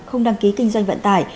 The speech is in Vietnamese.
không đăng ký kinh doanh vận tải